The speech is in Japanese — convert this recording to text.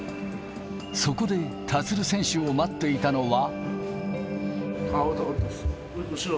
そこで立選手を待っていたのは。